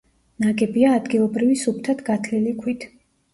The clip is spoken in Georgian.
ნაგებია ადგილობრივი სუფთად გათლილი ქვით.